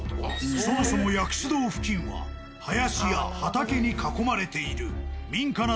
そもそも薬師堂付近は林や畑に囲まれている。